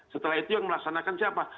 setelah itu yang melaksanakan siapa